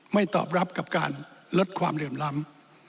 ไม่ตอบรับกับการลดความเริ่มล้ำ